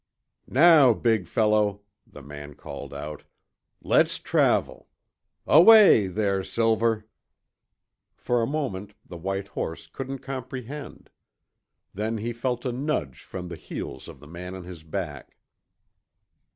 "Now, big fellow," the man called out, "let's travel. Away there, Silver." For a moment the white horse couldn't comprehend. Then he felt a nudge from the heels of the man on his back.